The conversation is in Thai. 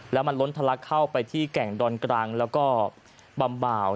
แล้วมันล้นทะลักเข้าไปที่แก่งดอนกลางแล้วก็บำบ่าว